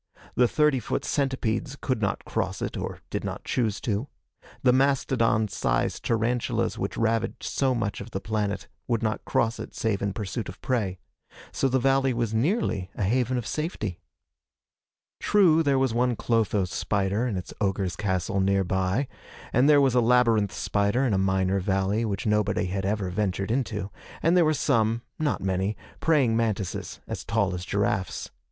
The thirty foot centipedes could not cross it or did not choose to. The mastodon sized tarantulas which ravaged so much of the planet would not cross it save in pursuit of prey. So the valley was nearly a haven of safety. True, there was one clotho spider in its ogre's castle nearby, and there was a labyrinth spider in a minor valley which nobody had ever ventured into, and there were some not many praying mantises as tall as giraffes.